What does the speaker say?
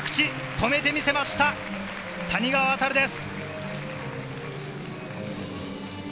止めて見せました、谷川航です。